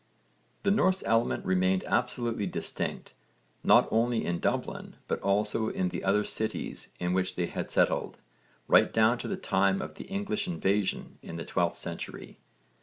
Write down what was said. The Norse element remained absolutely distinct, not only in Dublin but also in the other cities in which they had settled, right down to the time of the English invasion in the 12th century.